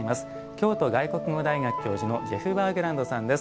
京都外国語大学教授のジェフ・バーグランドさんです。